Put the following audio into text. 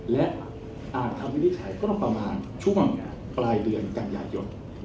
และอ้างทำวินิจัยก็ต้องประมาณช่วงปลายเดือนกันใหญ่หยด